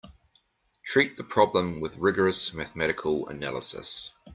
Treat the problem with rigorous mathematical analysis.